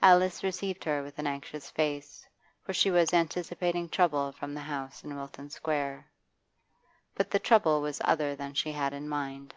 Alice received her with an anxious face, for she was anticipating trouble from the house in Wilton Square. But the trouble was other than she had in mind.